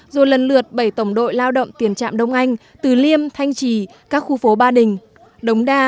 rồi lần lượt bảy tổng đội lao động tiền trạm đông anh từ liêm thanh trì các khu phố ba đình đống đa